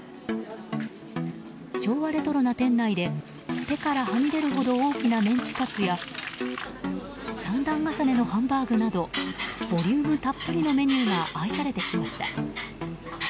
昭和レトロな店内で手からはみ出るほど大きなメンチカツや３段重ねのハンバーグなどボリュームたっぷりのメニューが愛されてきました。